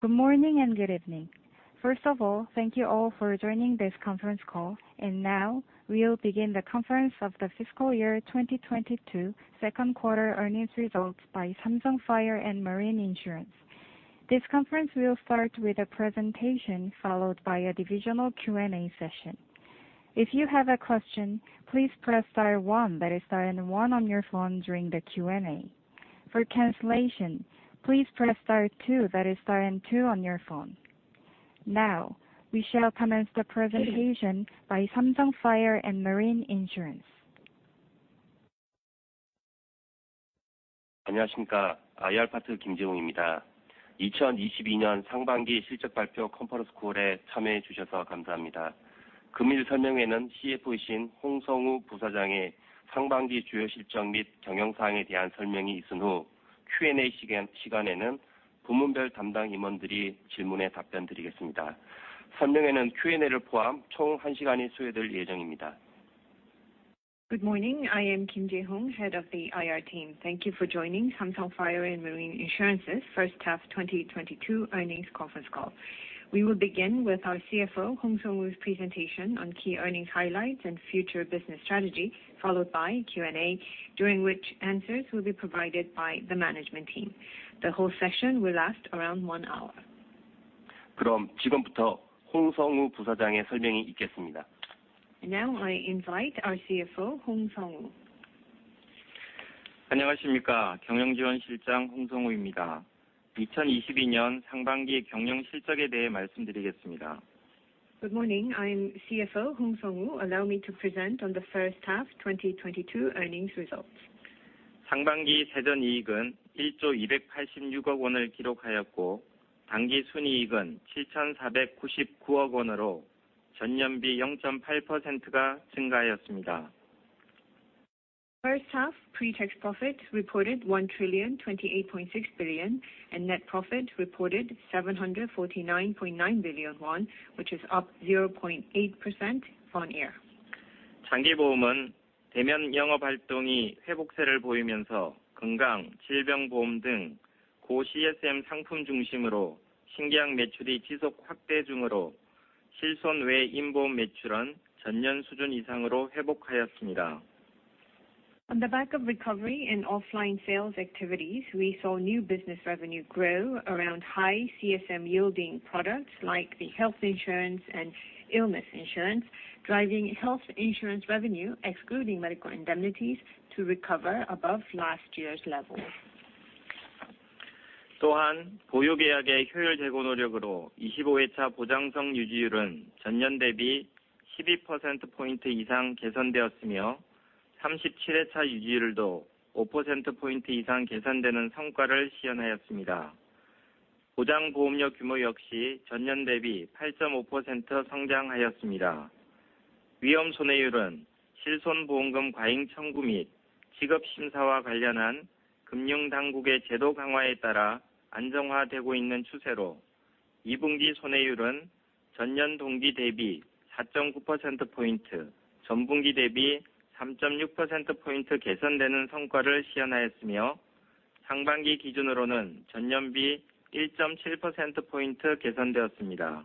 Good morning, and good evening. First of all, thank you all for joining this conference call. Now we'll begin the conference on the fiscal year 2022 Q2 earnings results by Samsung Fire & Marine Insurance. This conference will start with a presentation, followed by a divisional Q&A session. If you have a question, please press star one, that is star and one on your phone during the Q&A. For cancellation, please press star two, that is star and two on your phone. Now, we shall commence the presentation by Samsung Fire & Marine Insurance. Good morning. I am Kim Jaehong, head of the IR team. Thank you for joining Samsung Fire & Marine Insurance's first half 2022 earnings conference call. We will begin with our CFO, Hong Seong-Woo's presentation on key earnings highlights and future business strategy, followed by Q&A, during which answers will be provided by the management team. The whole session will last around one hour. Now, I invite our CFO, Hong Seong-Woo. Good morning, I am CFO, Hong Seong-Woo. Allow me to present on the first half 2022 earnings results. First half pre-tax profit reported 1,028.6 billion, and net profit reported 749.9 billion won, which is up 0.8% year-on-year. On the back of recovery in offline sales activities, we saw new business revenue grow around high CSM-yielding products, like the health insurance and illness insurance, driving health insurance revenue, excluding medical indemnities to recover above last year's level.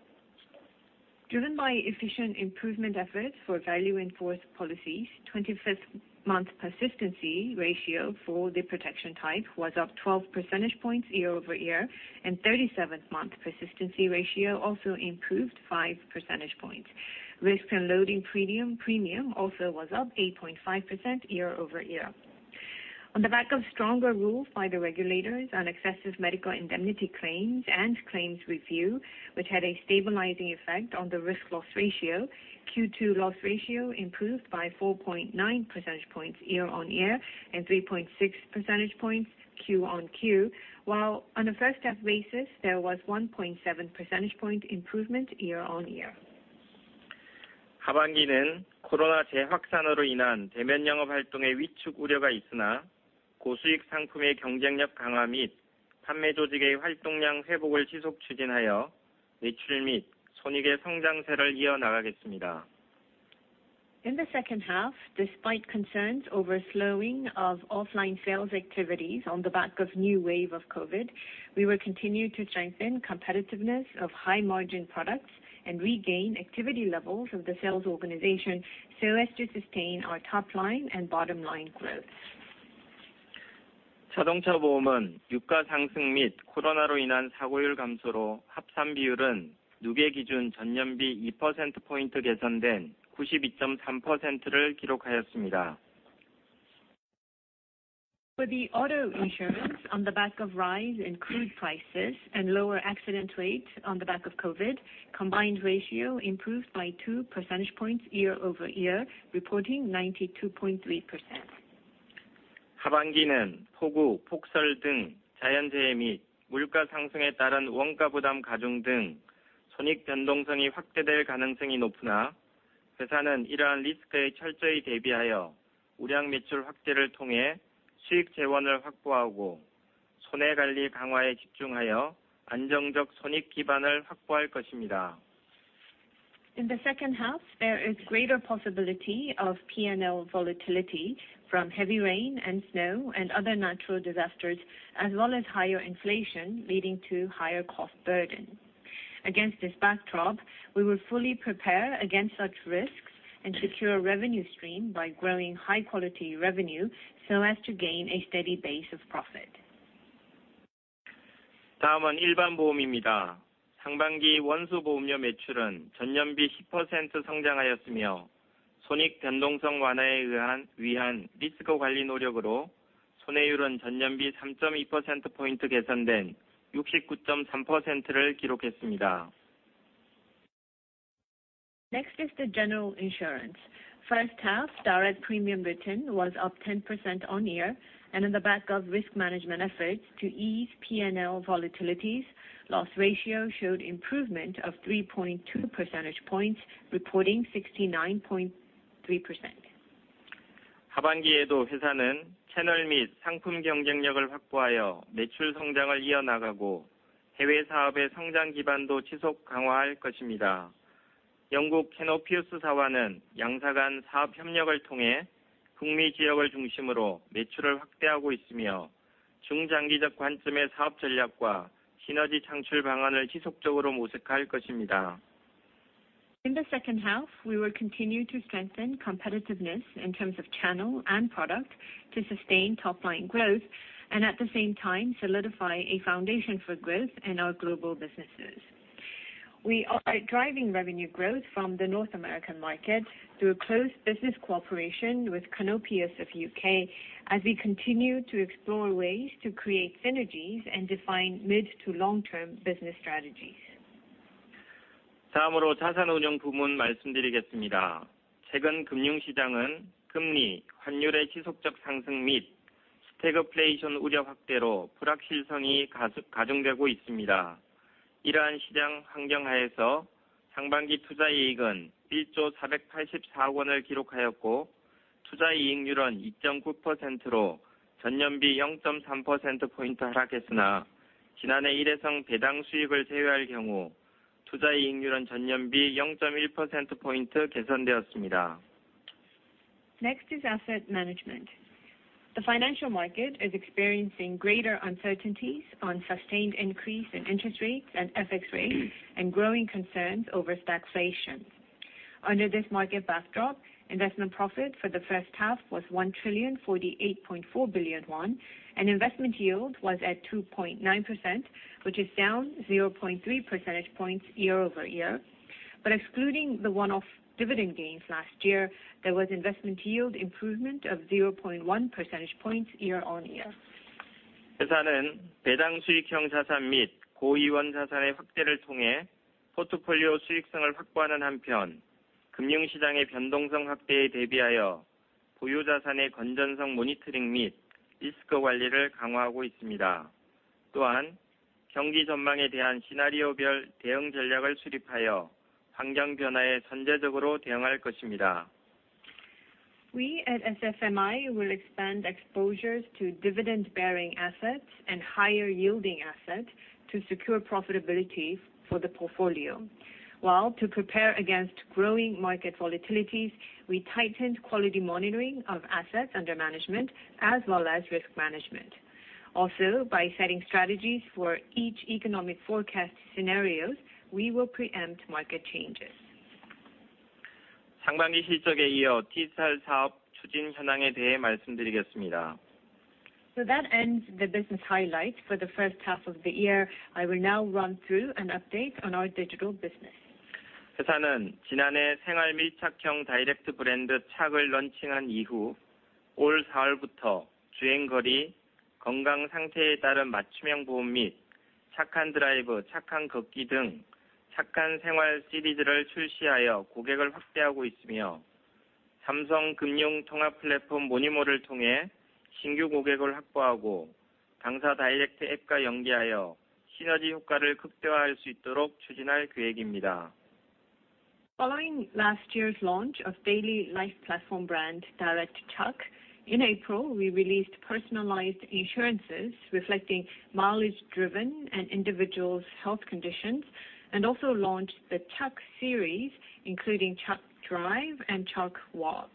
Driven by efficient improvement efforts for value-enforced policies, 25th month persistency ratio for the protection type was up 12% points year-over-year, and 37th month persistency ratio also improved 5% points. Risk and loading premium also was up 8.5% year-over-year. On the back of stronger rules by the regulators on excessive medical indemnity claims and claims review, which had a stabilizing effect on the risk loss ratio, Q2 loss ratio improved by 4.9% points year-over-year, and 3.6% points Q-o-Q. While on a first half basis, there was 1.7% point improvement year-over-year. In the second half, despite concerns over slowing of offline sales activities on the back of new wave of COVID, we will continue to strengthen competitiveness of high margin products and regain activity levels of the sales organization so as to sustain our top line and bottom line growth. For the auto insurance on the back of rise in crude prices and lower accident rate on the back of COVID, combined ratio improved by two percentage points year-over-year, reporting 92.3%. In the second half, there is greater possibility of P&L volatility from heavy rain and snow, and other natural disasters, as well as higher inflation leading to higher cost burden. Against this backdrop, we will fully prepare against such risks and secure revenue stream by growing high quality revenue so as to gain a steady base of profit. Next is the general insurance. First half, direct premium written was up 10% year-on-year, and on the back of risk management efforts to ease P&L volatilities, loss ratio showed improvement of 3.2% points, reporting 69.3%. In the second half, we will continue to strengthen competitiveness in terms of channel and product to sustain top line growth, and at the same time solidify a foundation for growth in our global businesses. We are driving revenue growth from the North American market through a close business cooperation with Canopius of U.K. as we continue to explore ways to create synergies and define mid- to long-term business strategies. Next is asset management. The financial market is experiencing greater uncertainties on sustained increase in interest rates and FX rates, and growing concerns over stagflation. Under this market backdrop, investment profit for the first half was 1,048.4 billion won, and investment yield was at 2.9%, which is down 0.3% points year-over-year. Excluding the one-off dividend gains last year, there was investment yield improvement of 0.1% points year-over-year. We, at SFMI, will expand exposures to dividend-bearing assets and higher yielding assets to secure profitability for the portfolio. While to prepare against growing market volatilities, we tightened quality monitoring of assets under management as well as risk management. Also, by setting strategies for each economic forecast scenarios, we will preempt market changes. That ends the business highlights for the first half of the year. I will now run through an update on our digital business. Following last year's launch of daily life platform brand Direct Chak, in April, we released personalized insurances reflecting mileage-driven and individuals' health conditions, and also launched the Chak series, including Chak Drive and Chak Walk.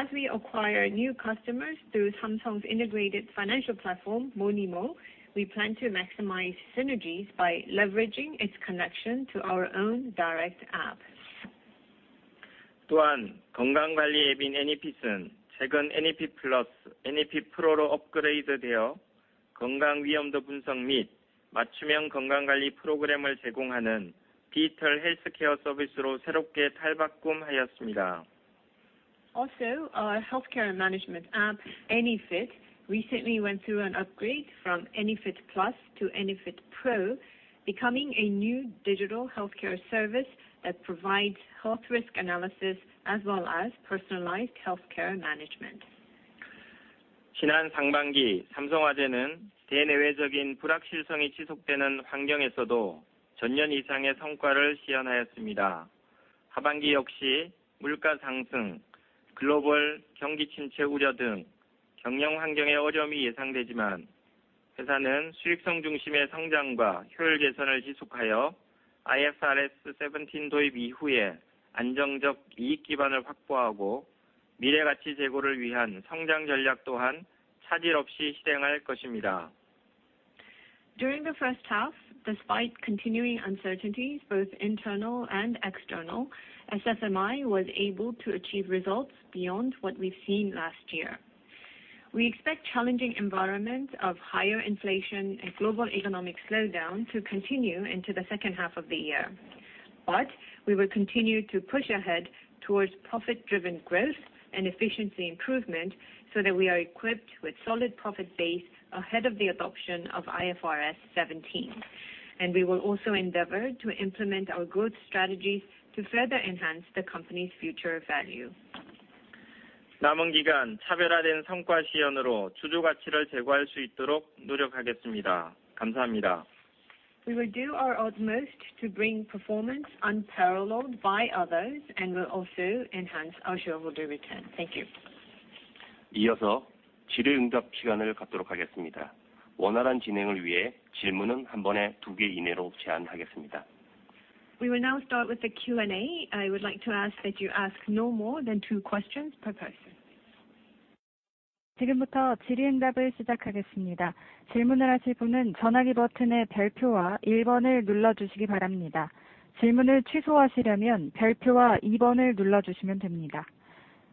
As we acquire new customers through Samsung's integrated financial platform, Monimo, we plan to maximize synergies by leveraging its connection to our own direct app. Our healthcare management app, Anyfit, recently went through an upgrade from Anyfit Plus to Anyfit Pro, becoming a new digital healthcare service that provides health risk analysis as well as personalized healthcare management. During the first half, despite continuing uncertainties, both internal and external, SFMI was able to achieve results beyond what we've seen last year. We expect challenging environment of higher inflation and global economic slowdown to continue into the second half of the year. We will continue to push ahead towards profit-driven growth and efficiency improvement so that we are equipped with solid profit base ahead of the adoption of IFRS 17. We will also endeavor to implement our growth strategies to further enhance the company's future value. We will do our utmost to bring performance unparalleled by others, and will also enhance our shareholder return. Thank you. We will now start with the Q&A. I would like to ask that you ask no more than two questions per person.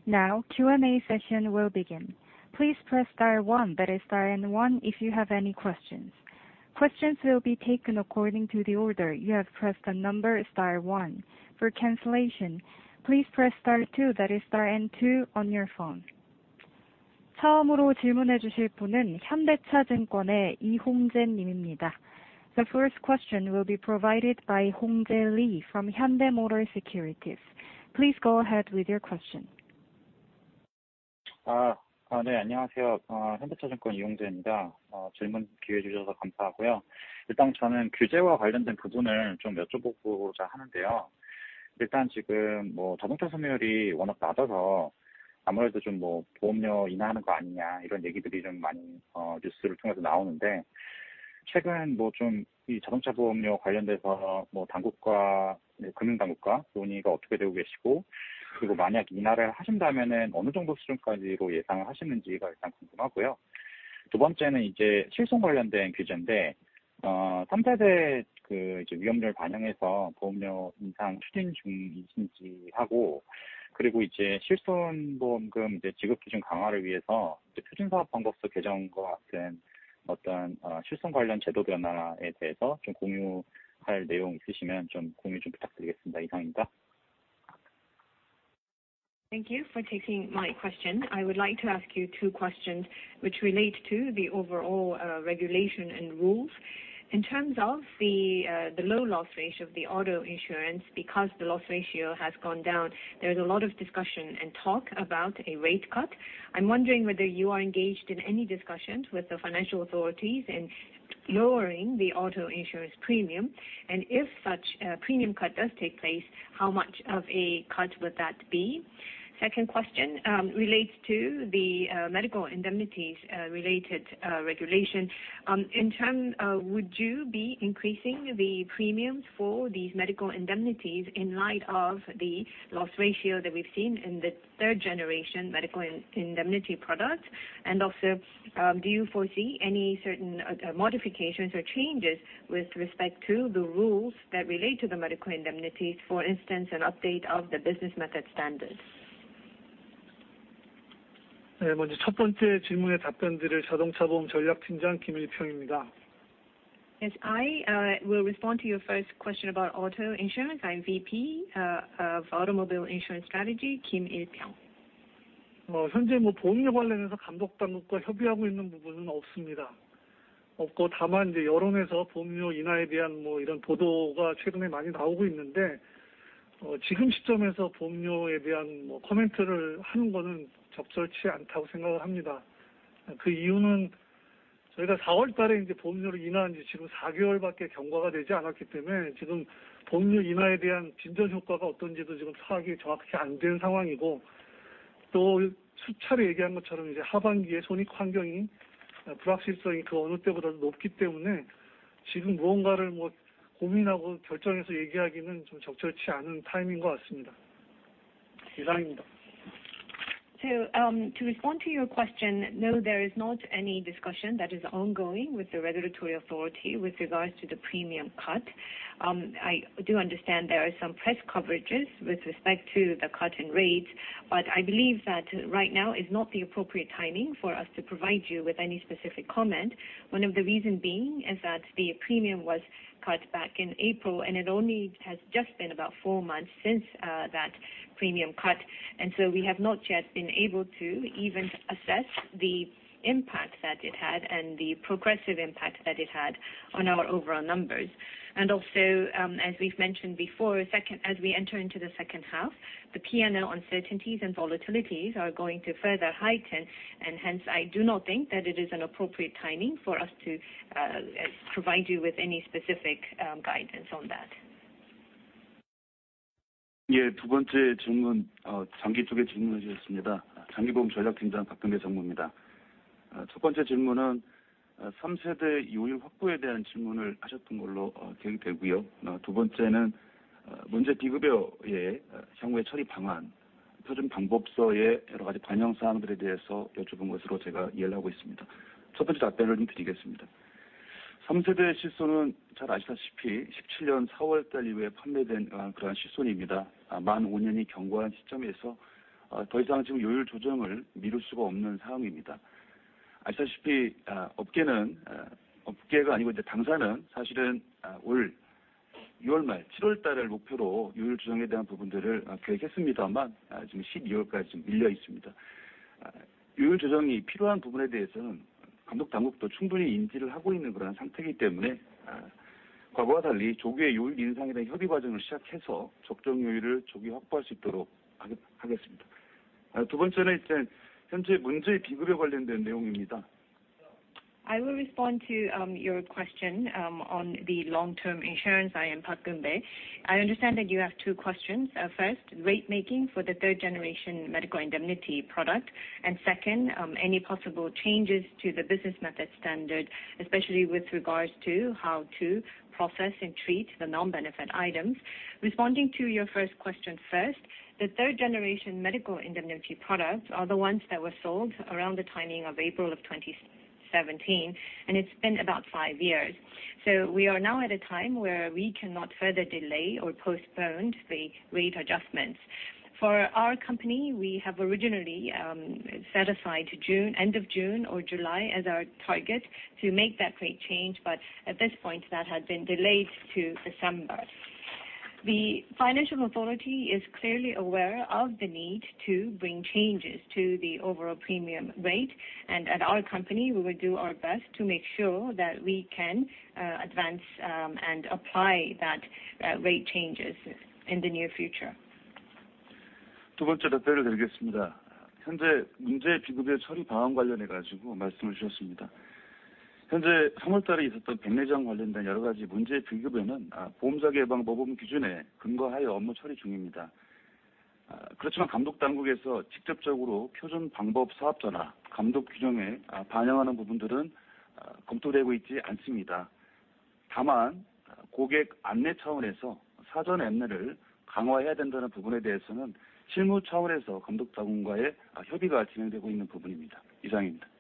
Now, Q&A session will begin. Please press star one, that is star and one, if you have any questions. Questions will be taken according to the order you have pressed the number star one. For cancellation, please press star two, that is star and two, on your phone. The first question will be provided by Hongje Lee from Hyundai Motor Securities. Please go ahead with your question. Uh, uh, Thank you for taking my question. I would like to ask you two questions which relate to the overall regulation and rules. In terms of the low loss ratio of the auto insurance, because the loss ratio has gone down, there is a lot of discussion and talk about a rate cut. I'm wondering whether you are engaged in any discussions with the financial authorities in lowering the auto insurance premium, and if such a premium cut does take place, how much of a cut would that be? Second question relates to the medical indemnities-related regulation. In terms would you be increasing the premiums for these medical indemnities in light of the loss ratio that we've seen in the third-generation medical indemnity products? Also, do you foresee any certain modifications or changes with respect to the rules that relate to the medical indemnities, for instance, an update of the business method standards? Yes, I will respond to your first question about auto insurance. I'm VP of Automobile Insurance Strategy, Kim Il-pyeong. To respond to your question, no, there is not any discussion that is ongoing with the regulatory authority with regards to the premium cut. I do understand there are some press coverages with respect to the cut in rates, but I believe that right now is not the appropriate timing for us to provide you with any specific comment. One of the reason being is that the premium was cut back in April, and it only has just been about four months since that premium cut. We have not yet been able to even assess the impact that it had and the progressive impact that it had on our overall numbers. Also, as we've mentioned before, as we enter into the second half, the P&L uncertainties and volatilities are going to further heighten and hence I do not think that it is an appropriate timing for us to provide you with any specific guidance on that. 두 번째 질문, 장기 두개 질문을 주셨습니다. 장기보험 전략팀장 박근배 전무입니다. 첫 번째 질문은 three세대 요율 확보에 대한 질문을 하셨던 걸로 기억이 되고요. 두 번째는 문제 비급여의 향후 처리 방안, 표준 방법서의 여러 가지 반영 사항들에 대해서 여쭤본 것으로 제가 이해를 하고 있습니다. 첫 번째 답변을 드리겠습니다. three세대의 실손은 잘 아시다시피 2017년 four월 이후에 판매된 그런 실손입니다. 만 five년이 경과한 시점에서 더 이상 지금 요율 조정을 미룰 수가 없는 상황입니다. 아시다시피 업계는, 업계가 아니고 이제 당사는 사실은 올 six월 말, seven월을 목표로 요율 조정에 대한 부분들을 계획했습니다만, 지금 12월까지 밀려 있습니다. 요율 조정이 필요한 부분에 대해서는 감독 당국도 충분히 인지를 하고 있는 상태이기 때문에 과거와 달리 조기에 요율 인상에 대한 협의 과정을 시작해서 적정 요율을 조기 확보할 수 있도록 하겠습니다. 두 번째는 이제 현재 문제의 비급여 관련된 내용입니다. I will respond to your question on the long-term insurance. I am Park Keun-bae. I understand that you have two questions. First, rate making for the third generation medical indemnity product. Second, any possible changes to the business method standard, especially with regards to how to process and treat the non-benefit items. Responding to your first question first. The third generation medical indemnity products are the ones that were sold around the timing of April of 2017, and it's been about five years. We are now at a time where we cannot further delay or postpone the rate adjustments. For our company, we have originally set aside to June, end of June or July as our target to make that rate change, but at this point that has been delayed to December. The financial authority is clearly aware of the need to bring changes to the overall premium rate, and at our company, we will do our best to make sure that we can advance and apply that rate changes in the near future. 두 번째 답변을 드리겠습니다. 현재 문제 비급여의 처리 방안 관련해 말씀을 주셨습니다. 현재 삼월 달에 있었던 백내장 관련된 여러 가지 문제 비급여는 보험사 개정 법률 기준에 근거하여 업무 처리 중입니다. 그렇지만 감독 당국에서 직접적으로 표준 방법 사업자나 감독 규정에 반영하는 부분들은 검토되고 있지 않습니다. 다만, 고객 안내 차원에서 사전 안내를 강화해야 된다는 부분에 대해서는 실무 차원에서 감독 당국과의 협의가 진행되고 있는 부분입니다. 이상입니다.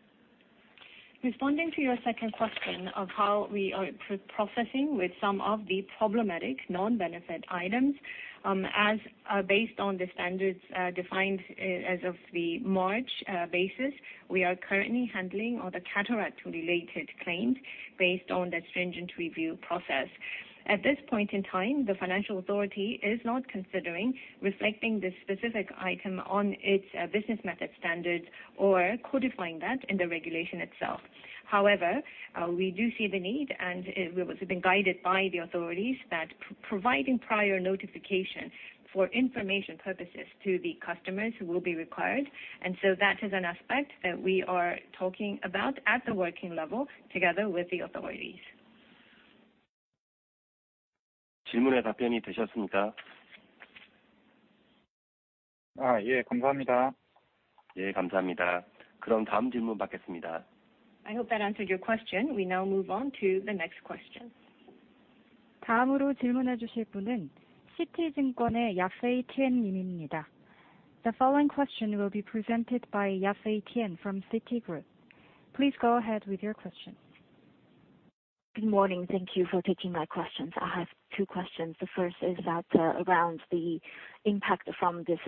Responding to your second question of how we are pre-processing with some of the problematic non-benefit items. Based on the standards defined as of the March basis, we are currently handling all the cataract related claims based on the stringent review process. At this point in time, the financial authority is not considering reflecting the specific item on its business method standards or codifying that in the regulation itself. However, we do see the need, and we've also been guided by the authorities that providing prior notification for information purposes to the customers will be required. That is an aspect that we are talking about at the working level together with the authorities. 질문에 답변이 되셨습니까? 아, 예, 감사합니다. 예, 감사합니다. 그럼 다음 질문 받겠습니다. I hope that answered your question. We now move on to the next question. 다음으로 질문해 주실 분은 씨티 증권의 야세이 티엔 님입니다. The following question will be presented by Yasei Tien from Citigroup. Please go ahead with your question. Good morning. Thank you for taking my questions. I have two questions. The first is that, around the impact from this,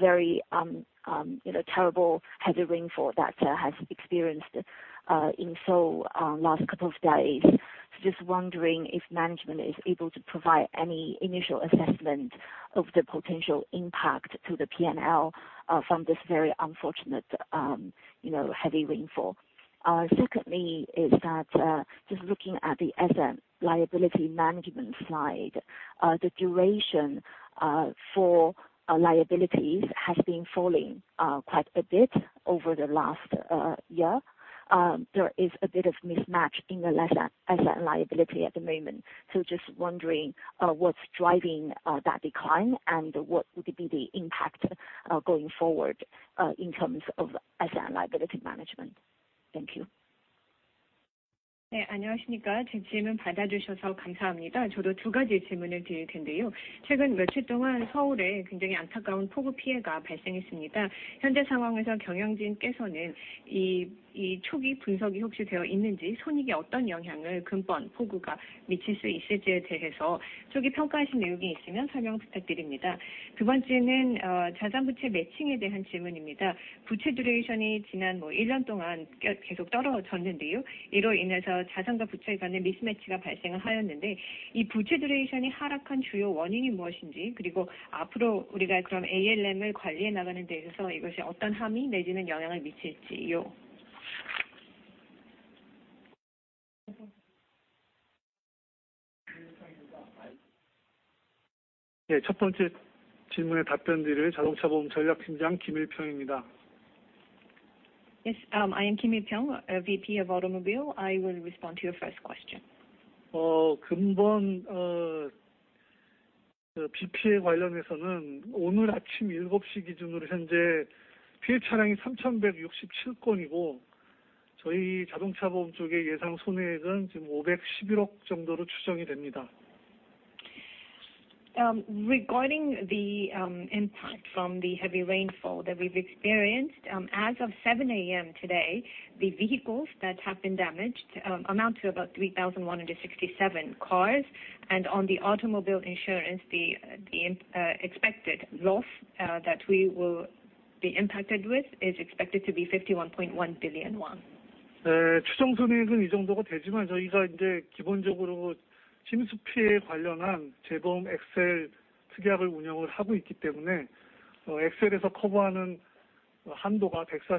very, you know, terrible heavy rainfall that has been experienced in Seoul last couple of days. So just wondering if management is able to provide any initial assessment of the potential impact to the P&L from this very unfortunate, you know, heavy rainfall. Secondly is that, just looking at the asset liability management slide, the duration for liabilities has been falling quite a bit over the last year. There is a bit of mismatch in the asset and liability at the moment. So just wondering, what's driving that decline and what would be the impact going forward in terms of asset and liability management? Thank you. 안녕하십니까? 질문 받아주셔서 감사합니다. 저도 두 가지 질문을 드릴 텐데요. 최근 며칠 동안 서울에 굉장히 안타까운 폭우 피해가 발생했습니다. 현재 상황에서 경영진께서는 이 초기 분석이 혹시 되어 있는지, 손익에 어떤 영향을 금번 폭우가 미칠 수 있을지에 대해서 초기 평가하신 내용이 있으면 설명 부탁드립니다. 두 번째는 자산 부채 매칭에 대한 질문입니다. 부채 duration이 지난 일년 동안 계속 떨어졌는데요. 이로 인해서 자산과 부채 간의 미스매치가 발생을 하였는데, 이 부채 duration이 하락한 주요 원인이 무엇인지, 그리고 앞으로 ALM을 관리해 나가는 데 있어서 이것이 어떤 함의 내지는 영향을 미칠지요? 네, 첫 번째 질문에 답변드릴 자동차보험 전략팀장 김일평입니다. Yes, I am Kim Il-pyeong, a VP of Automobile. I will respond to your first question. Regarding the impact from the heavy rainfall that we've experienced, as of 7A.M. today, the vehicles that have been damaged amount to about 3,167 cars. On the automobile insurance, the expected loss that we will be impacted with is expected to be 51.1 billion won. Once again, that is an estimated loss from the recent flooding or inundation and the submerging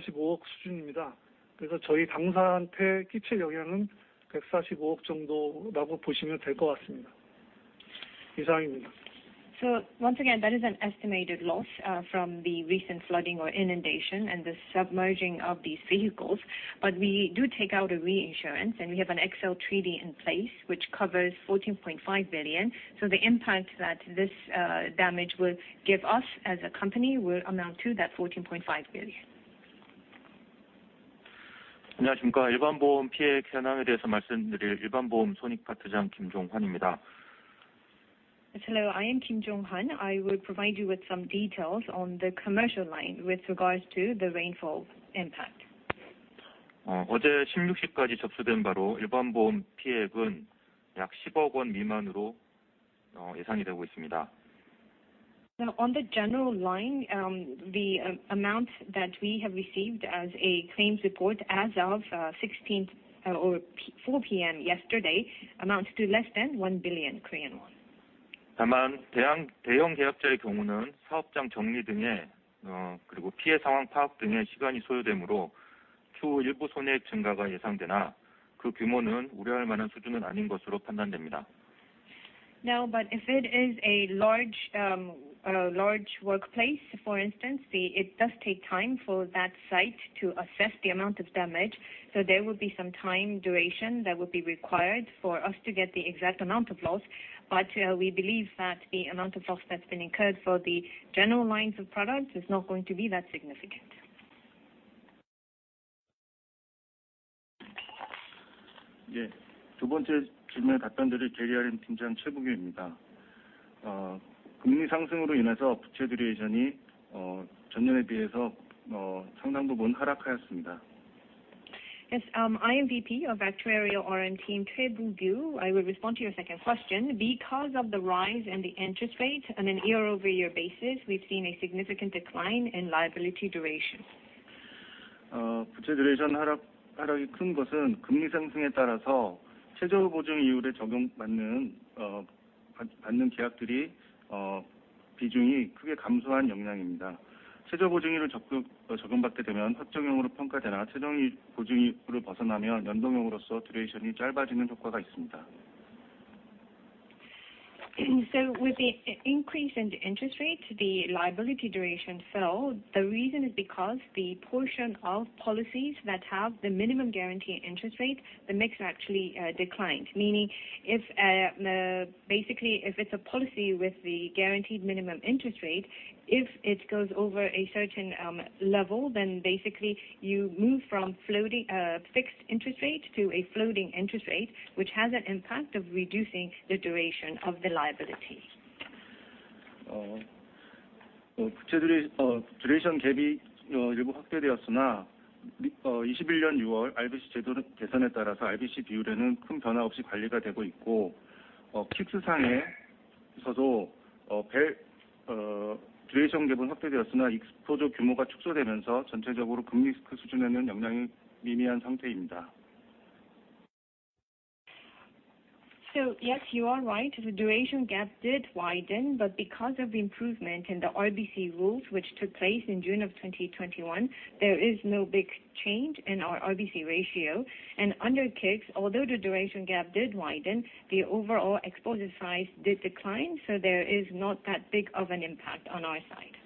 of these vehicles. We do take out a reinsurance, and we have an excess of loss treaty in place, which covers 14.5 billion. The impact that this damage will give us as a company will amount to 14.5 billion. Hello, I am Kim Jong Han. I will provide you with some details on the commercial line with regards to the rainfall impact. On the general line, the amount that we have received as a claims report as of 4:00P.M. yesterday amounts to less than 1 billion Korean won. If it is a large workplace, for instance, it does take time for that site to assess the amount of damage. There will be some time duration that would be required for us to get the exact amount of loss. We believe that the amount of loss that has been incurred for the general lines of products is not going to be that significant. Yes. I am VP of Actuarial RM team, Choi Boo Kyu. I will respond to your second question. Because of the rise in the interest rate on a year-over-year basis, we've seen a significant decline in liability duration. With the increase in the interest rate, the liability duration fell. The reason is because the portion of policies that have the minimum guarantee interest rate, the mix actually, declined. Meaning basically, if it's a policy with the guaranteed minimum interest rate, if it goes over a certain level, then basically you move from fixed interest rate to a floating interest rate, which has an impact of reducing the duration of the liability. Yes, you are right. The duration gap did widen, but because of improvement in the RBC rules, which took place in June 2021, there is no big change in our RBC ratio. Under KICS, although the duration gap did widen, the overall exposure size did decline, so there is not that big of an impact on our side.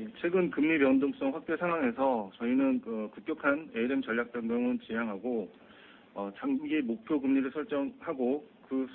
As we are in a cycle where there is higher interest rate volatility, we are not going to just suddenly change our ALM management strategy or policies. What we will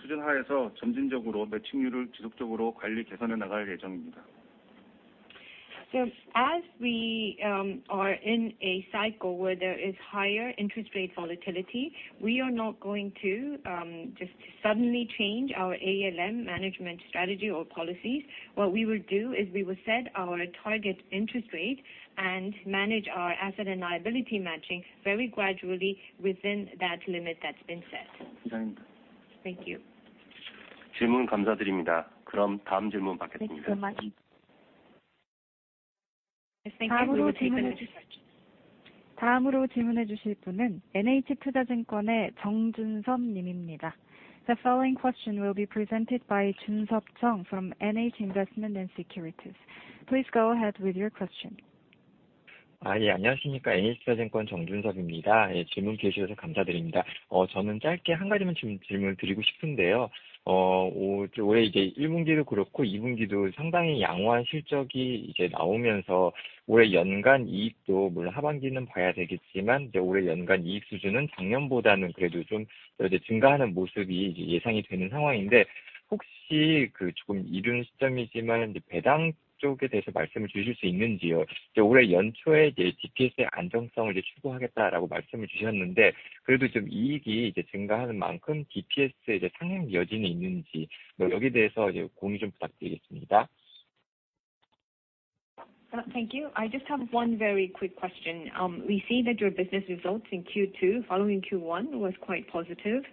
do is we will set our target interest rate and manage our asset and liability matching very gradually within that limit that's been set. Thank you. Thanks so much. I think we will be finished. The following question will be presented by Jun Sup Chung from NH Investment & Securities. Please go ahead with your question. 안녕하십니까? NH투자증권 정준섭입니다. 질문 기회 주셔서 감사드립니다. 저는 짧게 한 가지만 질문을 드리고 싶은데요. 올해 one분기도 그렇고 two분기도 상당히 양호한 실적이 나오면서 올해 연간 이익도 물론 하반기는 봐야 되겠지만, 올해 연간 이익 수준은 작년보다는 그래도 좀 증가하는 모습이 예상이 되는 상황인데, 혹시 조금 이른 시점이지만 배당 쪽에 대해서 말씀을 주실 수 있는지요? 올해 연초에 DPS의 안정성을 추구하겠다라고 말씀을 주셨는데, 그래도 좀 이익이 증가하는 만큼 DPS 상향 여지는 있는지, 여기에 대해서 공유 좀 부탁드리겠습니다. Thank you. I just have one very quick question. We see that your business results in Q2 following Q1 was quite positive.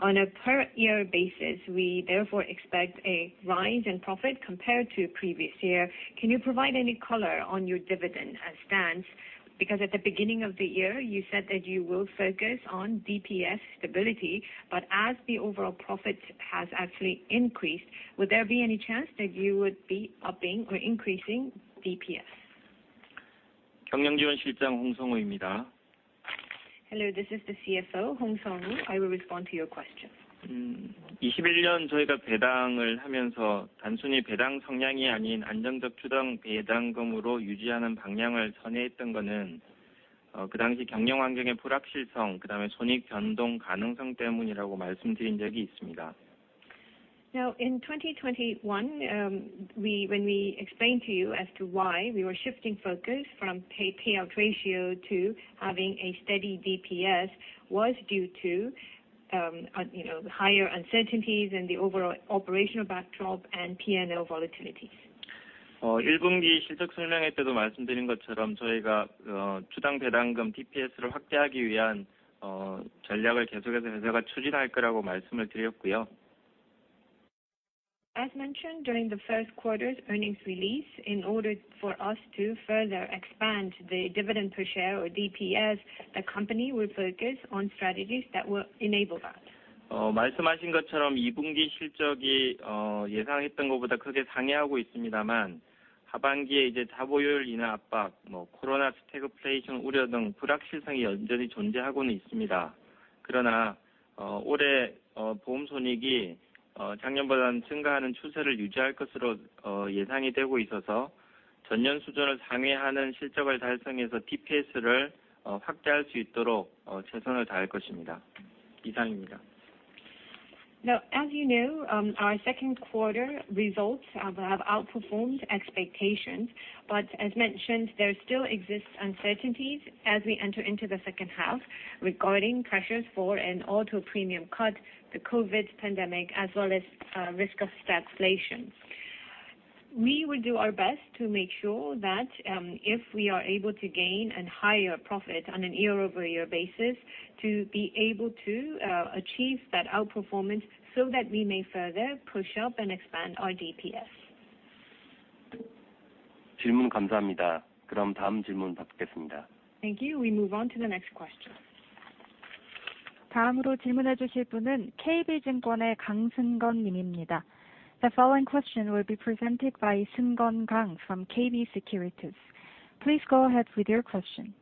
On a per year basis, we therefore expect a rise in profit compared to previous year. Can you provide any color on your dividend as stands? Because at the beginning of the year, you said that you will focus on DPS stability, but as the overall profit has actually increased, would there be any chance that you would be upping or increasing DPS? 경영지원실장 홍성우입니다. Hello, this is the CFO, Hong Seong-Woo. I will respond to your question. 2021년 저희가 배당을 하면서 단순히 배당 성향이 아닌 안정적 추정 배당금으로 유지하는 방향을 선회했던 거는 그 당시 경영 환경의 불확실성, 그다음에 손익 변동 가능성 때문이라고 말씀드린 적이 있습니다. Now, in 2021, we, when we explained to you as to why we were shifting focus from payout ratio to having a steady DPS was due to, you know, higher uncertainties and the overall operational backdrop and P&L volatilities. 1분기 실적 설명회 때도 말씀드린 것처럼 저희가 추정 배당금 DPS를 확대하기 위한 전략을 계속해서 회사가 추진할 거라고 말씀을 드렸고요. As mentioned during the Q1's earnings release, in order for us to further expand the dividend per share or DPS, the company will focus on strategies that will enable that. 말씀하신 것처럼 이번 분기 실적이 예상했던 것보다 크게 상회하고 있습니다만, 하반기에 자보율 인하 압박, 코로나 스태그플레이션 우려 등 불확실성이 여전히 존재하고는 있습니다. 그러나 올해 보험 손익이 작년보다는 증가하는 추세를 유지할 것으로 예상이 되고 있어서, 전년 수준을 상회하는 실적을 달성해서 DPS를 확대할 수 있도록 최선을 다할 것입니다. 이상입니다. Now, as you know, our Q2 results have outperformed expectations. As mentioned, there still exists uncertainties as we enter into the second half regarding pressures for an auto premium cut, the COVID pandemic, as well as risk of stagflation. We will do our best to make sure that, if we are able to gain a higher profit on a year-over-year basis to be able to achieve that outperformance so that we may further push up and expand our DPS. 질문 감사합니다. 그럼 다음 질문 받겠습니다. Thank you. We move on to the next question. 다음으로 질문해 주실 분은 KB증권의 강승건 님입니다. The following question will be presented by Seung Geun Kang from KB Securities. Please go ahead with your question.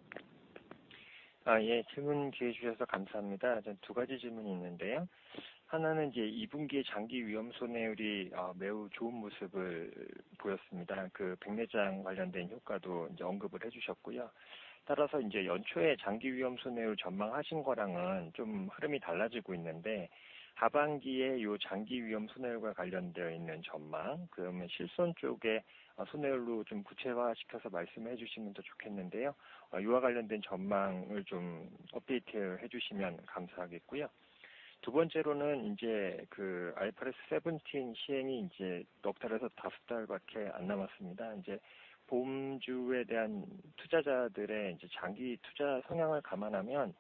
질문 기회 주셔서 감사합니다. 두 가지 질문이 있는데요. 하나는 이번 분기에 장기 위험 손해율이 매우 좋은 모습을 보였습니다. 백내장 관련된 효과도 언급을 해주셨고요. 따라서 연초에 장기 위험 손해율 전망하신 거랑은 좀 흐름이 달라지고 있는데, 하반기에 장기 위험 손해율과 관련된 전망을, 실손 쪽에 손해율로 좀 구체화시켜서 말씀해 주시면 더 좋겠는데요. 이와 관련된 전망을 좀 업데이트해 주시면 감사하겠고요. 두 번째로는 IFRS 17 시행이 네 달에서 다섯 달밖에 안 남았습니다. 보험주에 대한 투자자들의 장기 투자 성향을 감안하면,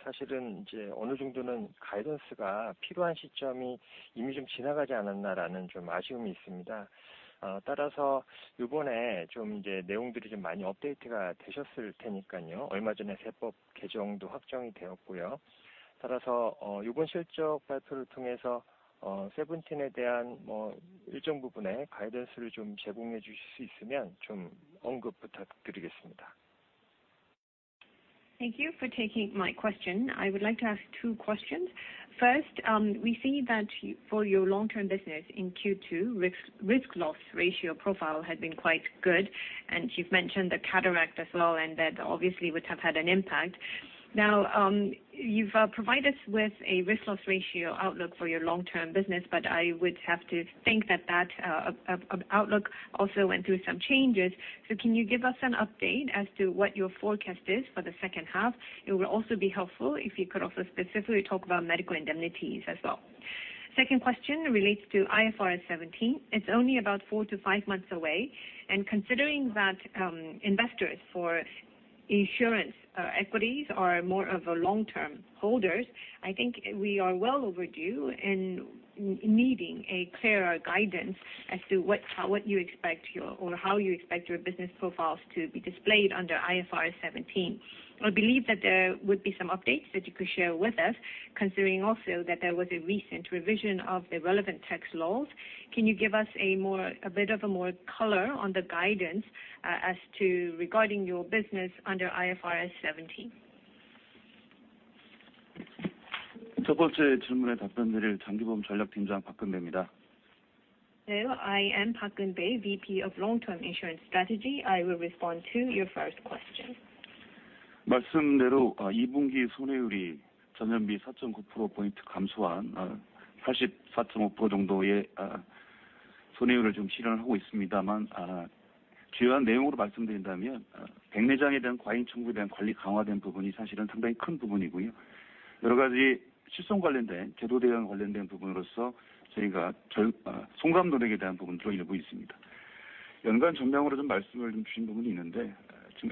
사실은 어느 정도는 가이던스가 필요한 시점이 이미 좀 지나가지 않았나라는 아쉬움이 있습니다. 따라서 이번에 내용들이 좀 많이 업데이트가 되셨을 테니까요. 얼마 전에 세법 개정도 확정이 되었고요. 따라서 이번 실적 발표를 통해서 IFRS 17에 대한 일정 부분의 가이던스를 좀 제공해 주실 수 있으면 언급 부탁드리겠습니다. Thank you for taking my question. I would like to ask two questions. First, we see that for your long-term business in Q2, risk loss ratio profile had been quite good, and you've mentioned the catastrophe as well, and that obviously would have had an impact. Now, you've provided us with a risk loss ratio outlook for your long-term business, but I would have to think that outlook also went through some changes. Can you give us an update as to what your forecast is for the second half? It would also be helpful if you could also specifically talk about medical indemnities as well. Second question relates to IFRS 17. It's only about four to five months away, and considering that, investors for insurance equities are more of long-term holders. I think we are well overdue in needing a clearer guidance as to what you expect or how you expect your business profiles to be displayed under IFRS 17. I believe that there would be some updates that you could share with us, considering also that there was a recent revision of the relevant tax laws. Can you give us a bit more color on the guidance as to regarding your business under IFRS 17? 첫 번째 질문에 답변드릴 장기보험 전략팀장 박근배입니다. Hello, I am Park Keun-bae, VP of Long-Term Insurance Strategy. I will respond to your first question. 말씀대로 이 분기 손해율이 전년비 4.9%포인트 감소한 84.5% 정도의 손해율을 지금 실현하고 있습니다만, 주요한 내용으로 말씀드린다면 백내장에 대한 과잉 청구에 대한 관리 강화된 부분이 사실은 상당히 큰 부분이고요. 여러 가지 실손 관련된 제도 대응 관련된 부분으로써 저희가 손금 노력에 대한 부분 투입하고 있습니다. 연간 전망으로 좀 말씀을 좀 주신 부분이 있는데, 지금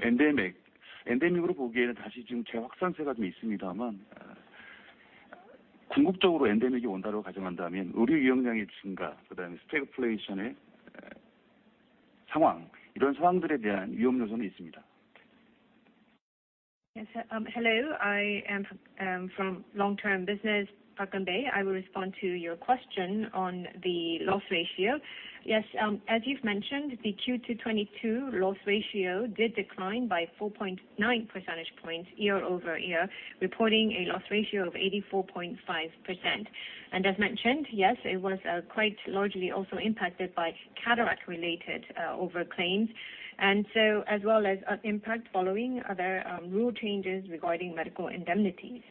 엔데믹으로 보기에는 다시 지금 재확산세가 좀 있습니다만, 궁극적으로 엔데믹이 온다고 가정한다면 의료 이용량의 증가, 그다음에 스태그플레이션의 상황, 이런 상황들에 대한 위험 요소는 있습니다. Yes, hello. I am from Long Term Business, Park Keun-bae. I will respond to your question on the loss ratio. Yes, as you've mentioned, the Q2 2022 loss ratio did decline by 4.9 percentage points year-over-year, reporting a loss ratio of 84.5%. As mentioned, yes, it was quite largely also impacted by cataract related over claims. As well as impact following other rule changes regarding medical indemnities.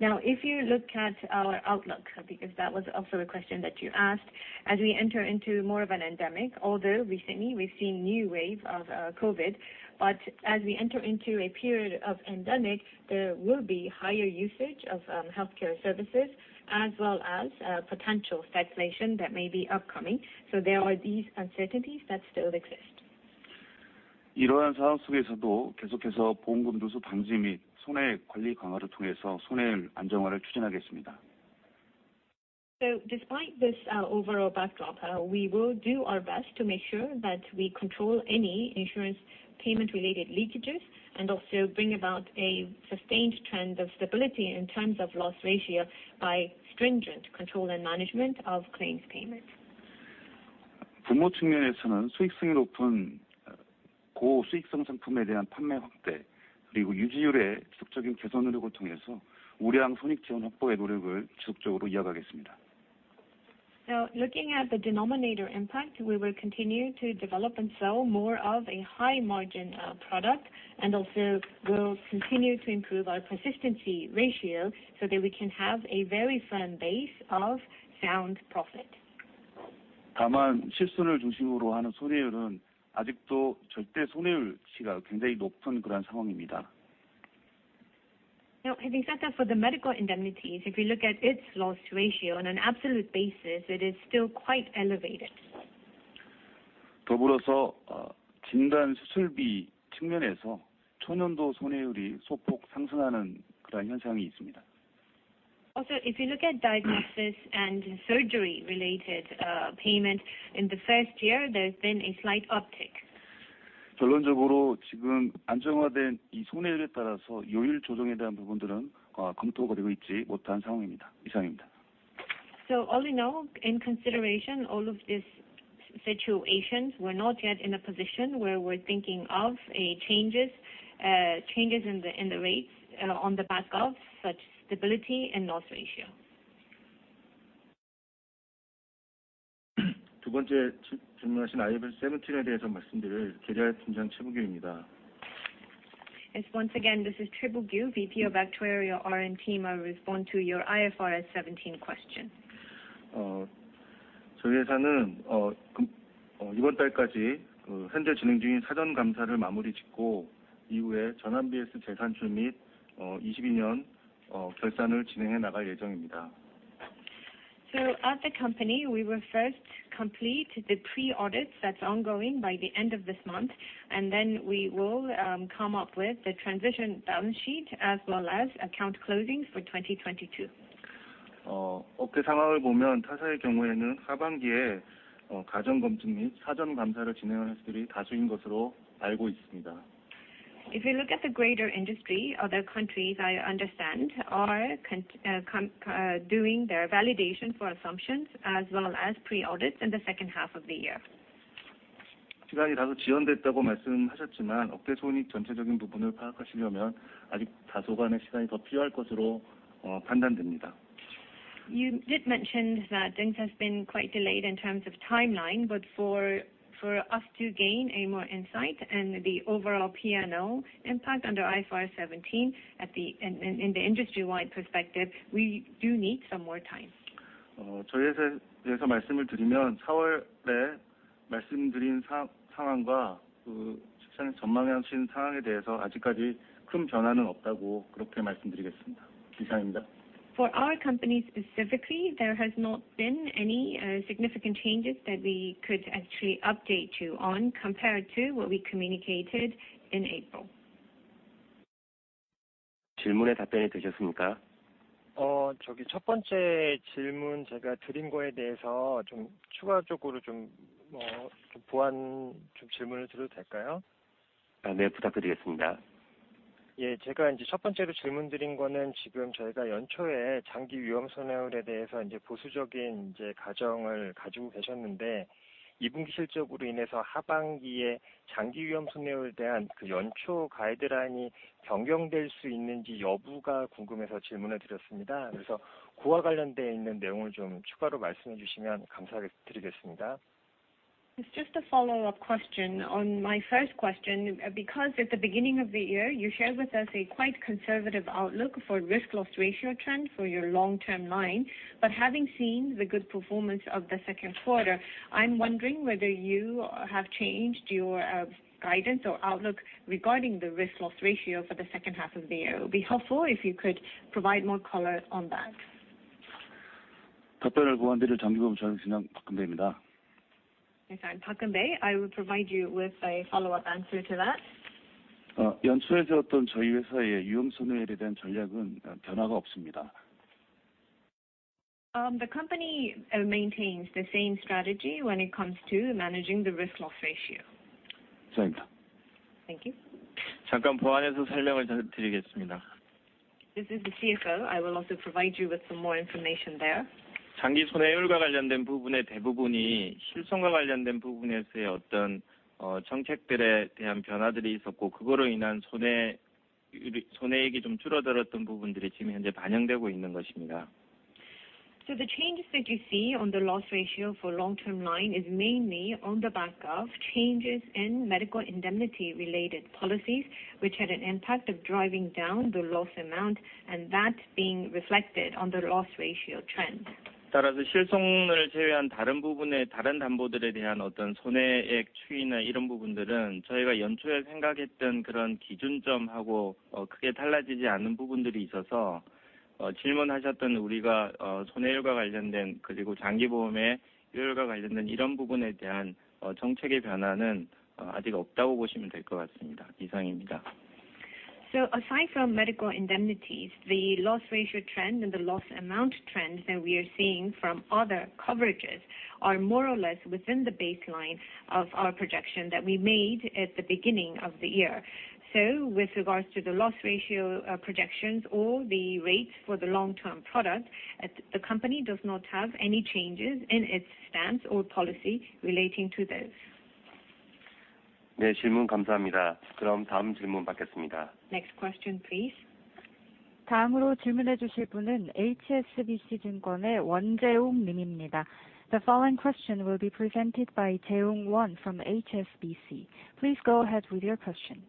Now, if you look at our outlook, because that was also a question that you asked, as we enter into more of an endemic, although recently we've seen new wave of COVID, but as we enter into a period of endemic, there will be higher usage of healthcare services as well as potential stagflation that may be upcoming. There are these uncertainties that still exist. 이러한 상황 속에서도 계속해서 보험금 누수 방지 및 손해 관리 강화를 통해서 손해율 안정화를 추진하겠습니다. Despite this, overall backdrop, we will do our best to make sure that we control any insurance payment related leakages and also bring about a sustained trend of stability in terms of loss ratio by stringent control and management of claims payment. 부모 측면에서는 수익성이 높은 고수익성 상품에 대한 판매 확대 그리고 유지율의 지속적인 개선 노력을 통해서 우량 손익 지원 확보의 노력을 지속적으로 이어가겠습니다. Now, looking at the denominator impact, we will continue to develop and sell more of a high margin product, and also will continue to improve our persistency ratio so that we can have a very firm base of sound profit. 다만 실손을 중심으로 하는 손해율은 아직도 절대 손해율치가 굉장히 높은 그런 상황입니다. Now, except that for the medical indemnities, if you look at its loss ratio on an absolute basis, it is still quite elevated. 진단 수술비 측면에서 초년도 손해율이 소폭 상승하는 그런 현상이 있습니다. Also, if you look at diagnosis and surgery related payment in the first year, there's been a slight uptick. 결론적으로 지금 안정화된 이 손해율에 따라서 요율 조정에 대한 부분들은 검토가 되고 있지 못한 상황입니다. 이상입니다. All in all, in consideration of all of these situations, we're not yet in a position where we're thinking of changes in the rates on the back of such stability and loss ratio. 두 번째 질문하신 IFRS 17에 대해서 말씀드릴 계리RM팀장 최부규입니다. Yes. Once again, this is Choi Boo Kyu, VP of Actuarial RM team. I will respond to your IFRS 17 question. 저희 회사는 이번 달까지 현재 진행 중인 사전 감사를 마무리 짓고, 이후에 전환 BS 재산출 및 2022년 결산을 진행해 나갈 예정입니다. At the company, we will first complete the pre-audits that's ongoing by the end of this month, and then we will come up with the transition balance sheet as well as account closings for 2022. 업계 상황을 보면 타사의 경우에는 하반기에 가정 검증 및 사전 감사를 진행한 곳들이 다수인 것으로 알고 있습니다. If you look at the greater industry, other countries I understand are conducting their validation for assumptions as well as pre-audits in the second half of the year. 시간이 다소 지연됐다고 말씀하셨지만, 업계 손익 전체적인 부분을 파악하시려면 아직 다소간의 시간이 더 필요할 것으로 판단됩니다. You did mention that things has been quite delayed in terms of timeline, but for us to gain a more insight and the overall P&L impact under IFRS 17 in the industry-wide perspective, we do need some more time. 저희 회사에서 말씀을 드리면 사월에 말씀드린 상황과 그 시장이 전망하신 상황에 대해서 아직까지 큰 변화는 없다고 그렇게 말씀드리겠습니다. 이상입니다. For our company specifically, there has not been any significant changes that we could actually update you on compared to what we communicated in April. 질문에 답변이 되셨습니까? 첫 번째 질문 드린 것에 대해서 좀 추가적으로 보완 질문을 드려도 될까요? 아, 네. 부탁드리겠습니다. 제가 첫 번째로 질문 드린 거는 저희가 연초에 장기 위험 손해율에 대해서 보수적인 가정을 가지고 계셨는데, 이 분기 실적으로 인해서 하반기에 장기 위험 손해율에 대한 연초 가이드라인이 변경될 수 있는지 여부가 궁금해서 질문을 드렸습니다. 그와 관련되어 있는 내용을 좀 추가로 말씀해 주시면 감사드리겠습니다. It's just a follow-up question on my first question, because at the beginning of the year, you shared with us a quite conservative outlook for risk loss ratio trend for your long-term line. Having seen the good performance of the Q2, I'm wondering whether you have changed your guidance or outlook regarding the risk loss ratio for the second half of the year. It would be helpful if you could provide more color on that. I'm Park Keun-bae. I will provide you with a follow-up answer to that. The company maintains the same strategy when it comes to managing the risk loss ratio. Thank you. This is the CFO. I will also provide you with some more information there. The changes that you see on the loss ratio for long-term line is mainly on the back of changes in medical indemnity related policies, which had an impact of driving down the loss amount and that being reflected on the loss ratio trend. Aside from medical indemnities, the loss ratio trend and the loss amount trends that we are seeing from other coverages are more or less within the baseline of our projection that we made at the beginning of the year. With regards to the loss ratio, projections or the rates for the long-term product, the company does not have any changes in its stance or policy relating to this. Next question, please. The following question will be presented by Jaeyung Won from HSBC. Please go ahead with your question.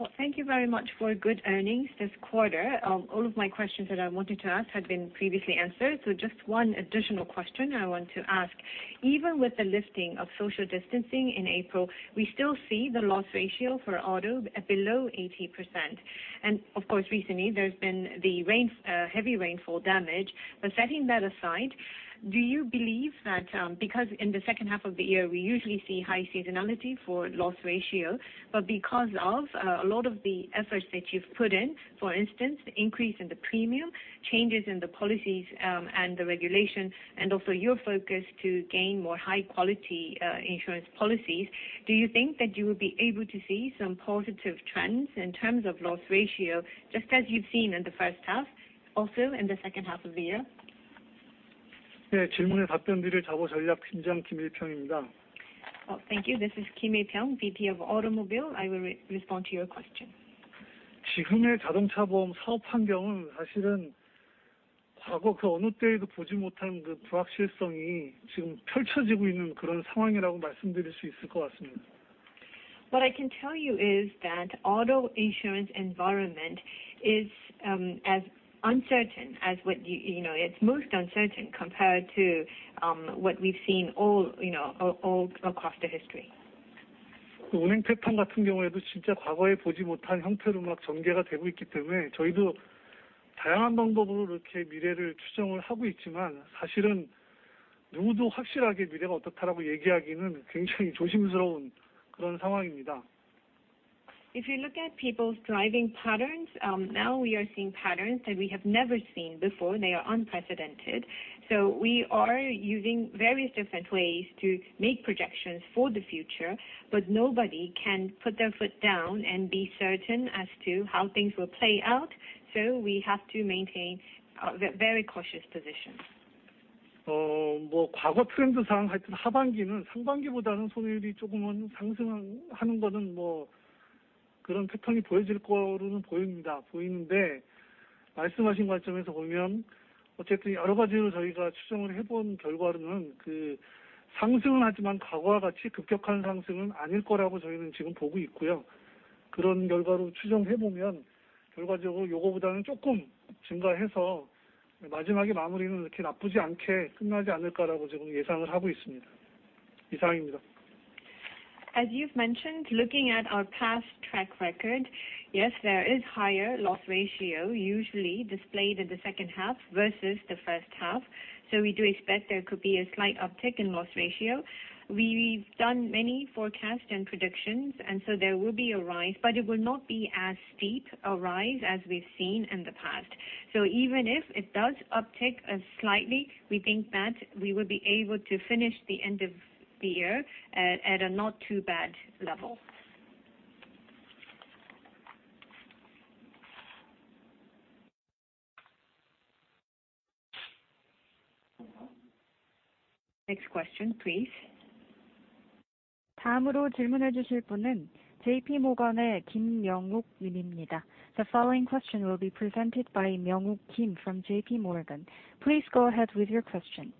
Well, thank you very much for good earnings this quarter. All of my questions that I wanted to ask had been previously answered. Just one additional question I want to ask, even with the lifting of social distancing in April, we still see the loss ratio for auto below 80%. Of course, recently there's been the rain, heavy rainfall damage. Setting that aside, do you believe that, because in the second half of the year, we usually see high seasonality for loss ratio, but because of a lot of the efforts that you've put in, for instance, the increase in the premium, changes in the policies, and the regulations, and also your focus to gain more high quality insurance policies, do you think that you will be able to see some positive trends in terms of loss ratio, just as you've seen in the first half, also in the second half of the year? Oh, thank you. This is Kim Il-pyeong, VP of Automobile. I will respond to your question. What I can tell you is that auto insurance environment is as uncertain as what you know, it's most uncertain compared to what we've seen all across the history. If you look at people's driving patterns, now we are seeing patterns that we have never seen before, and they are unprecedented. We are using various different ways to make projections for the future, but nobody can put their foot down and be certain as to how things will play out. We have to maintain a very cautious position. As you've mentioned, looking at our past track record, yes, there is higher loss ratio usually displayed in the second half versus the first half. We do expect there could be a slight uptick in loss ratio. We've done many forecasts and predictions, and there will be a rise, but it will not be as steep a rise as we've seen in the past. Even if it does uptick slightly, we think that we will be able to finish the end of the year at a not too bad level. Next question, please. The following question will be presented by Myungwook Kim from JP Morgan. Please go ahead with your question.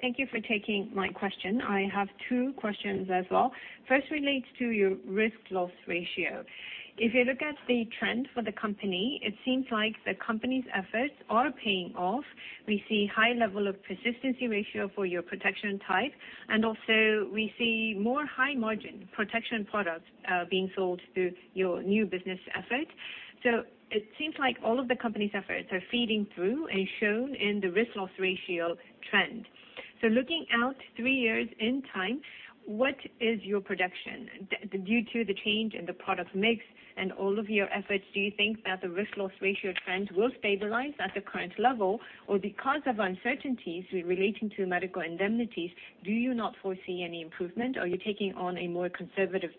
Thank you for taking my question. I have two questions as well. First relates to your risk loss ratio. If you look at the trend for the company, it seems like the company's efforts are paying off. We see high level of persistency ratio for your protection type, and also we see more high margin protection products, being sold through your new business efforts. It seems like all of the company's efforts are feeding through and shown in the risk loss ratio trend. Looking out three years in time, what is your projection? Due to the change in the product mix and all of your efforts, do you think that the risk loss ratio trend will stabilize at the current level or because of uncertainties relating to medical indemnities, do you not foresee any improvement or are you taking on a more conservative,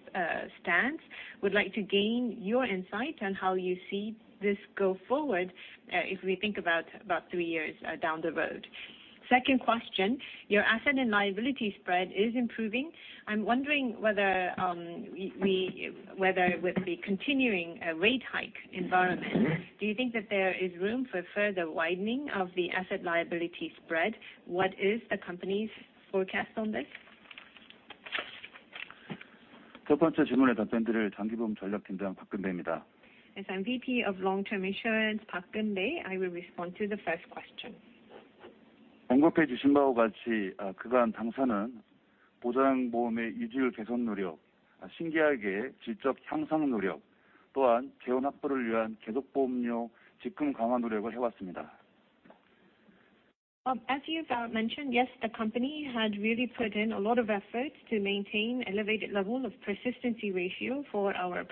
stance? Would like to gain your insight on how you see this go forward, if we think about three years down the road. Second question, your asset and liability spread is improving. I'm wondering whether with the continuing rate hike environment, do you think that there is room for further widening of the asset liability spread? What is the company's forecast on this? As I'm VP of Long-Term Insurance, Park Keun-bae, I will respond to the first question. As you've mentioned, yes, the company had really put in a lot of effort to maintain elevated level of persistency ratio for our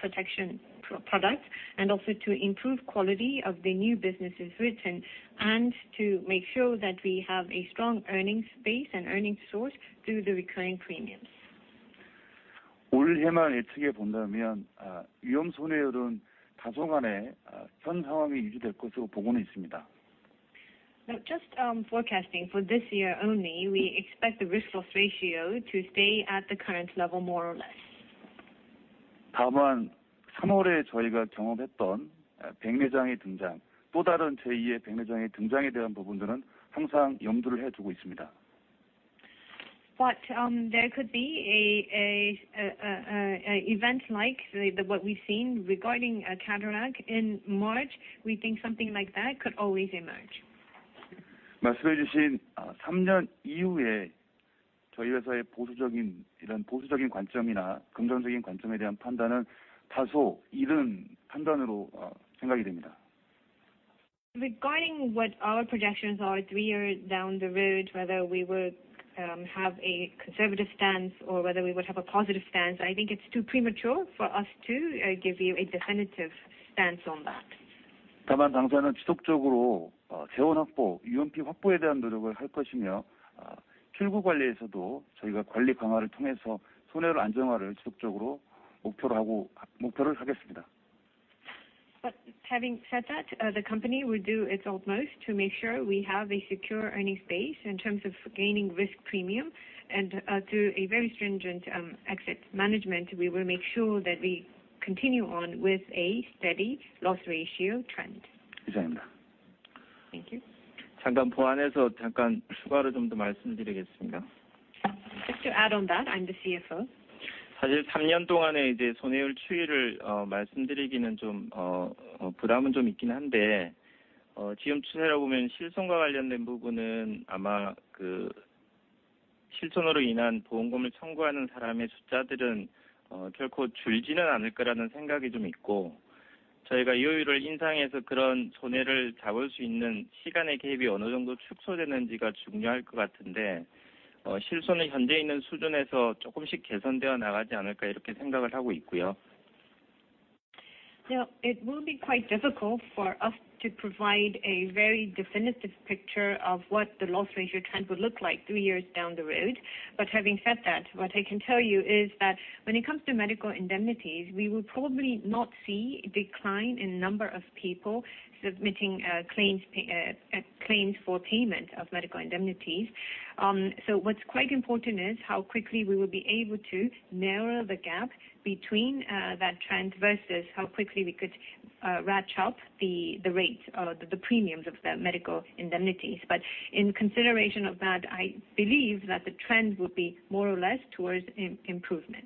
protection product and also to improve quality of the new businesses written and to make sure that we have a strong earnings base and earnings source through the recurring premiums. Now, just forecasting for this year only, we expect the risk loss ratio to stay at the current level more or less. There could be an event like what we've seen regarding catastrophe in March. We think something like that could always emerge. Regarding what our projections are three years down the road, whether we would have a conservative stance or whether we would have a positive stance, I think it's too premature for us to give you a definitive stance on that. 당사는 지속적으로 재원 확보, 유연비 확보에 대한 노력을 할 것이며, 출구 관리에서도 저희가 관리 강화를 통해서 손해를 안정화를 지속적으로 목표로 하겠습니다. Having said that, the company will do its utmost to make sure we have a secure earnings base in terms of gaining risk premium and, through a very stringent exit management, we will make sure that we continue on with a steady loss ratio trend. 이상입니다. Thank you. 잠깐 보완해서 잠깐 추가로 좀더 말씀드리겠습니다. Just to add on that, I'm the CFO. 사실 3년 동안의 손해율 추이를 말씀드리기는 좀 부담은 좀 있긴 한데, 지금 추세라고 보면 실손과 관련된 부분은 아마 그 실손으로 인한 보험금을 청구하는 사람의 숫자들은 결코 줄지는 않을 거라는 생각이 좀 있고, 저희가 요율을 인상해서 그런 손해를 잡을 수 있는 시간의 개입이 어느 정도 축소되는지가 중요할 것 같은데, 실손은 현재 있는 수준에서 조금씩 개선되어 나가지 않을까 이렇게 생각을 하고 있고요. Now, it will be quite difficult for us to provide a very definitive picture of what the loss ratio trend would look like three years down the road. Having said that, what I can tell you is that when it comes to medical indemnities, we will probably not see a decline in number of people submitting claims for payment of medical indemnities. So what's quite important is how quickly we will be able to narrow the gap between that trend versus how quickly we could ratchet up the rate, the premiums of the medical indemnities. In consideration of that, I believe that the trend will be more or less towards improvement.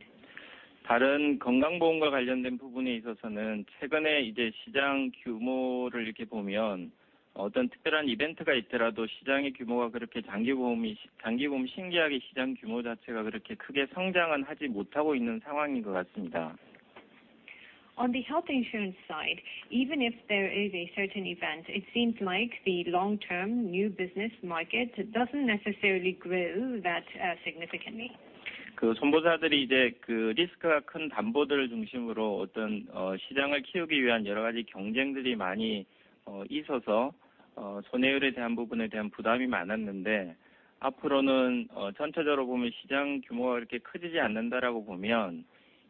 다른 건강보험과 관련된 부분에 있어서는 최근에 시장 규모를 이렇게 보면 어떤 특별한 이벤트가 있더라도 시장의 규모가 그렇게 장기보험이, 장기보험 신기하게 시장 규모 자체가 그렇게 크게 성장은 하지 못하고 있는 상황인 것 같습니다. On the health insurance side, even if there is a certain event, it seems like the long-term new business market doesn't necessarily grow that significantly. 손보사들이 리스크가 큰 담보들을 중심으로 시장을 키우기 위한 여러 가지 경쟁들이 많이 있어서 손해율에 대한 부분에 대한 부담이 많았는데, 앞으로는 전체적으로 보면 시장 규모가 그렇게 커지지 않는다라고 보면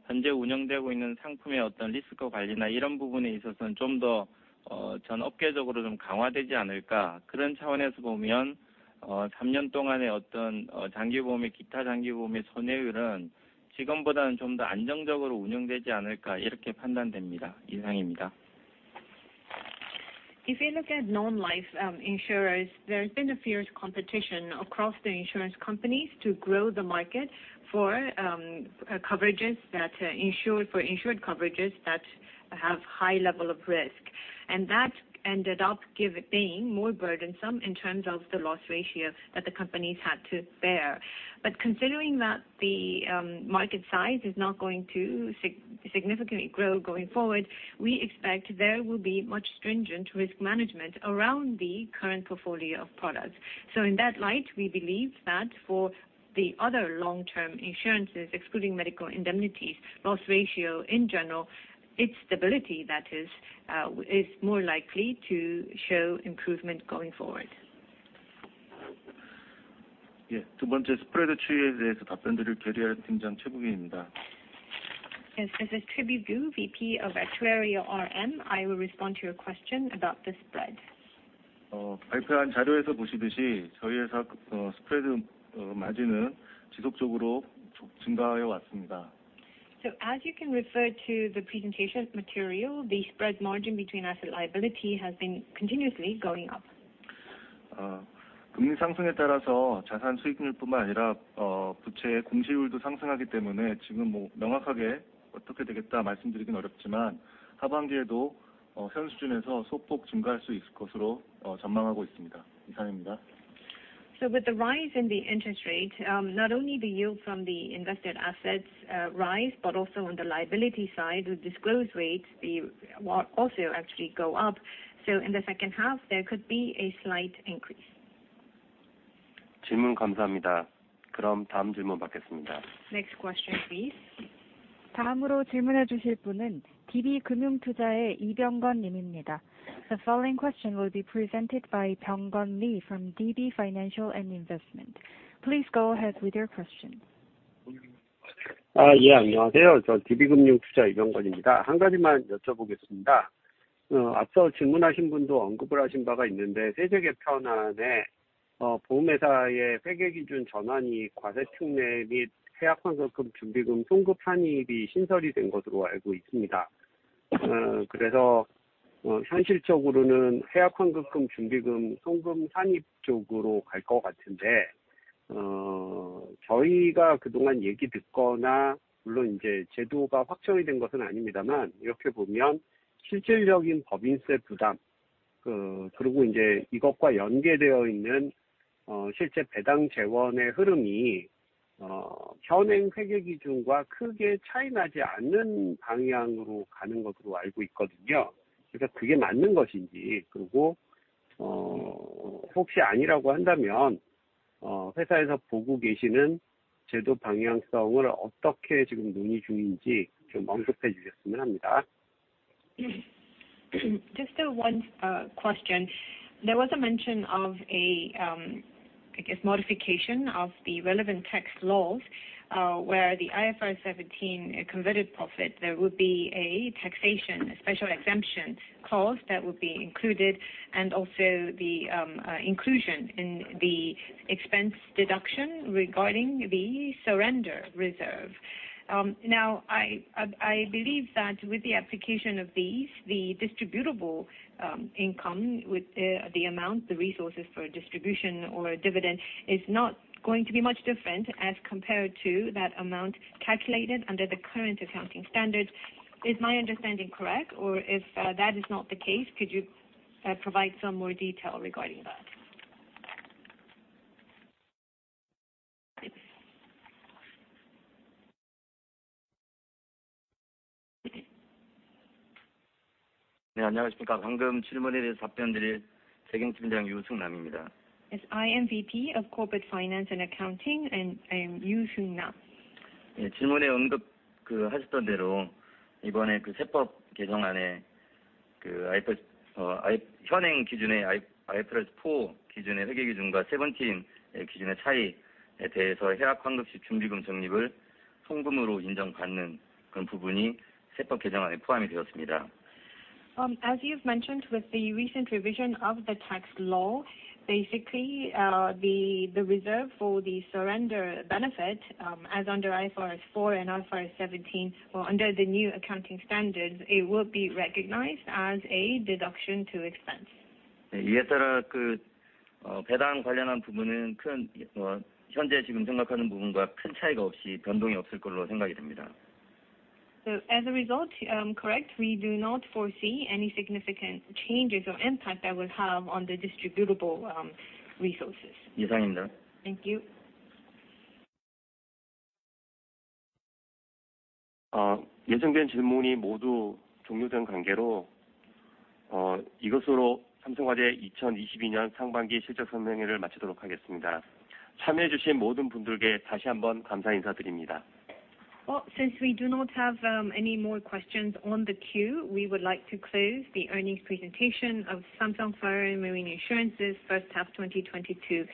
현재 운영되고 있는 상품의 리스크 관리나 이런 부분에 있어서는 좀더전 업계적으로 좀 강화되지 않을까, 그런 차원에서 보면 삼년 동안의 장기보험의, 기타 장기보험의 손해율은 지금보다는 좀더 안정적으로 운영되지 않을까 이렇게 판단됩니다. 이상입니다. If you look at non-life insurers, there has been a fierce competition across the insurance companies to grow the market for coverages that insured for insured coverages that have high level of risk, and that ended up being more burdensome in terms of the loss ratio that the companies had to bear. Considering that the market size is not going to significantly grow going forward, we expect there will be much stringent risk management around the current portfolio of products. In that light, we believe that for the other long-term insurances, excluding medical indemnities, loss ratio in general, its stability that is more likely to show improvement going forward. 예, 두 번째 스프레드 추이에 대해서 답변드릴 계리RM팀장 최부규입니다. Yes, as the VP of Actuarial RM, I will respond to your question about the spread. 발표한 자료에서 보시듯이 저희 회사 스프레드 마진은 지속적으로 증가하여 왔습니다. As you can refer to the presentation material, the spread margin between assets and liabilities has been continuously going up. 금리 상승에 따라서 자산 수익률뿐만 아니라 부채의 공시율도 상승하기 때문에 지금 명확하게 어떻게 되겠다 말씀드리긴 어렵지만, 하반기에도 현 수준에서 소폭 증가할 수 있을 것으로 전망하고 있습니다. 이상입니다. With the rise in the interest rate, not only the yield from the invested assets rise, but also on the liability side, the discount rates will also actually go up. In the second half, there could be a slight increase. 질문 감사합니다. 그럼 다음 질문 받겠습니다. Next question, please. 다음으로 질문해 주실 분은 DB금융투자의 이병건 님입니다. The following question will be presented by Byong Gun Lee from DB Financial Investment. Please go ahead with your question. 안녕하세요. DB금융투자 이병건입니다. 한 가지만 여쭤보겠습니다. 앞서 질문하신 분도 언급을 하신 바가 있는데, 세제 개편안에 보험회사의 세금 기준 전환이 과세특례 및 해약환급금 준비금 현금 환입이 신설이 된 것으로 알고 있습니다. 현실적으로는 해약환급금 준비금 현금 환입 쪽으로 갈것 같은데, 저희가 그동안 얘기 듣거나, 물론 이제 제도가 확정이 된 것은 아닙니다만, 이렇게 보면 실질적인 법인세 부담, 그리고 이제 이것과 연계되어 있는 실제 배당 재원의 흐름이 현행 세금 기준과 크게 차이나지 않는 방향으로 가는 것으로 알고 있거든요. 그래서 그게 맞는 것인지, 그리고. Just one question. There was a mention of a, I guess, modification of the relevant tax laws, where the IFRS 17 converted profit, there would be a taxation, a special exemption clause that would be included, and also the inclusion in the expense deduction regarding the surrender reserve. Now I believe that with the application of these, the distributable income with the amount, the resources for distribution or dividend is not going to be much different as compared to that amount calculated under the current accounting standards. Is my understanding correct? Or if that is not the case, could you provide some more detail regarding that? Yes. I am VP of Corporate Finance and Accounting, and I'm Yu Seung Nam. As you've mentioned with the recent revision of the tax law, basically, the reserve for the surrender benefit, as under IFRS four and IFRS 17 or under the new accounting standards, it will be recognized as a deduction to expense. As a result, correct, we do not foresee any significant changes or impact that would have on the distributable resources. Thank you. Since we do not have any more questions on the queue, we would like to close the earnings presentation of Samsung Fire & Marine Insurance's first half 2022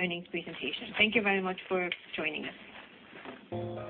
earnings presentation. Thank you very much for joining us.